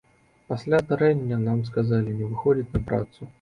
Пасля здарэння нам сказалі не выходзіць на працу.